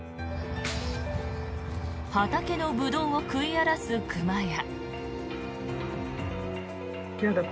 畑のブドウを食い荒らす熊や。